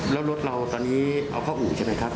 แล้วรถเราตอนนี้เอาเข้าอู่ใช่ไหมครับ